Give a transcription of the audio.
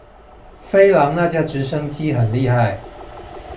飛狼那架直升機很厲害